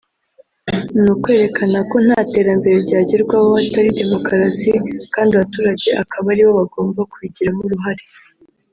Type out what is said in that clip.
ni ukwerekana ko nta terambere ryagerwaho hatari demokarasi; kandi abaturage akaba aribo bagomba kubigiramo uruhare